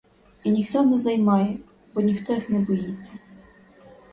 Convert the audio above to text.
І ніхто не займає, бо ніхто їх не боїться.